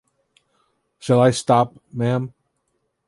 Shall I stop, ma'am?